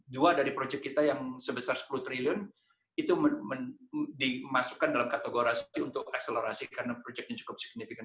dua dari proyek kita yang sebesar sepuluh triliun itu dimasukkan dalam kategori untuk akselerasi karena proyeknya cukup signifikan